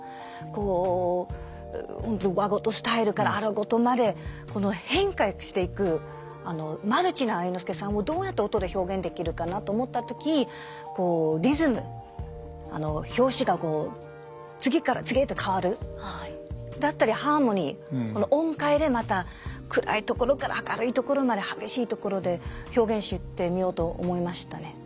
こう本当に和事スタイルから荒事まで変化していくマルチな愛之助さんをどうやって音で表現できるかなと思った時リズム拍子が次から次へと変わるだったりハーモニー音階でまた暗いところから明るいところまで激しいところで表現してみようと思いましたね。